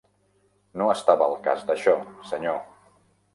No estava al cas d'això, senyor.